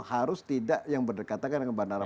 harus tidak yang berdekatan dengan bandara